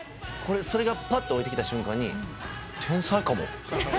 それがぱっとおりてきた瞬間に天才かもって。